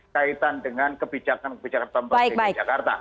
kaitan dengan kebijakan kebijakan pemerintah jakarta